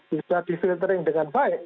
bisa di filtering dengan baik